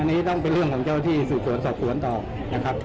อันนี้ต้องเป็นเรื่องของเจ้าที่สืบสวนสอบสวนต่อนะครับ